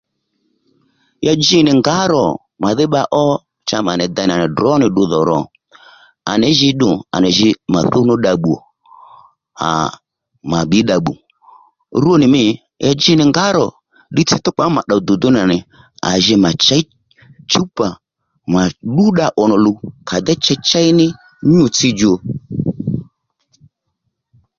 Ya dji nì ngǎ ro màdhí bba ó cha mà nì dǎ ndèy ò nà ddrǒnì ddu dhò ro à ní jǐ ddu à nì jǐ mà dduw nú dda bbùw ò mà bbí dda bbùw rwo nì mî ya dji nì ngǎ ro ddiy cha tówkpà má mà tdòw ddùddú nà nì à ji mà chěy chǔwpà mà ddǔ dda ò nò luw kà déy chey chéyní nyû tsi djò